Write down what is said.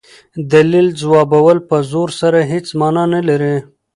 دلیل ځوابول په زور سره هيڅ مانا نه لري.